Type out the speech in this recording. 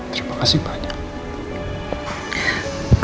terima kasih banyak